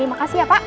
terima kasih ya pak